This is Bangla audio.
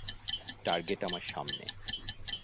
টার্গেট আমার সামনে।